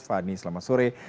fani selamat sore